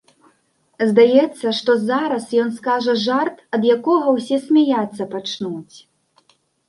Здаецца, што зараз ён скажа жарт, ад якога ўсе смяяцца пачнуць.